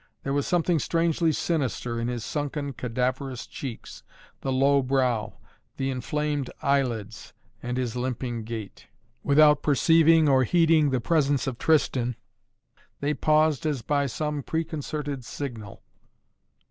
There was something strangely sinister in his sunken, cadaverous cheeks, the low brow, the inflamed eyelids, and his limping gait. Without perceiving or heeding the presence of Tristan they paused as by some preconcerted signal.